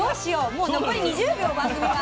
もう残り２０秒番組が。